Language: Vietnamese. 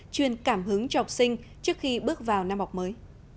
chuyên cảm hứng cho học sinh trước khi bước vào năm học mới